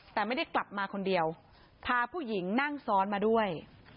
แต่ไม่ได้กลับมาคนเดียวพาผู้หญิงนั่งซ้อนมาด้วย